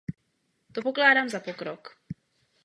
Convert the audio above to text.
To pokládám za pokrok.